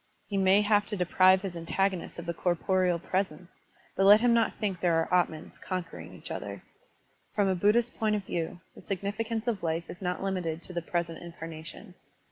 He may have to deprive his antagonist of the corporeal presence, but let him not think there are atmans, con quering each other. From a Buddhist point of view, the significance of life is not limited to the present incarnation.